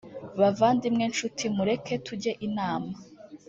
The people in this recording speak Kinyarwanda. Bavandimwe nshuti mureke tujye inama